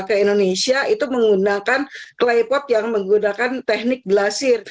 ke indonesia itu menggunakan klaypot yang menggunakan teknik glasir